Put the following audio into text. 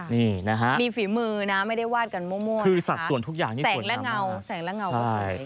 มีฝีมือนะไม่ได้วาดกันมั่วแสงและเงา